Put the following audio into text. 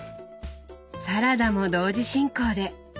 サラダも同時進行で！